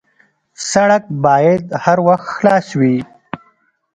سړک باید هر وخت خلاص وي.